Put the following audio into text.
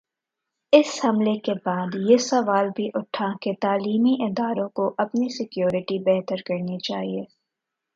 اس حملے کے بعد یہ سوال بھی اٹھا کہ تعلیمی اداروں کو اپنی سکیورٹی بہتر کرنی چاہیے۔